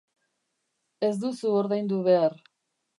Ez duzu ordaindu behar.